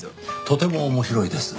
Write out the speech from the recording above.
とても面白いです。